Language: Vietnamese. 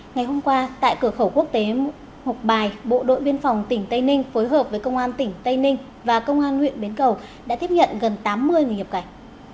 ngày hôm qua tại cửa khẩu quốc tế mộc bài bộ đội biên phòng tỉnh tây ninh phối hợp với công an tỉnh tây ninh và công an huyện bến cầu đã tiếp nhận gần tám mươi người nhập cảnh